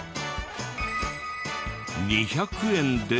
２００円で。